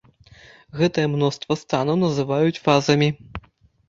Гэтае мноства станаў называюць фазамі.